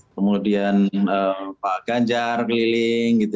kemudian pak ganjar keliling gitu